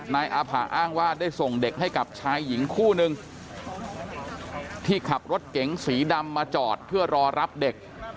นายอาผะอ้างว่าได้ส่งเด็กให้กับชายหญิงคู่นึงที่ขับรถเก๋งสีดำมาจอดเพื่อรอรับเด็ก